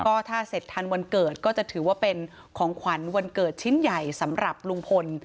ก็ถ้าเสร็จทันวันเกิดก็จะถือว่าเป็นของขวัญวันเกิดชิ้นใหญ่สำหรับลุงพล